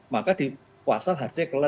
maka di pasal hc artikelan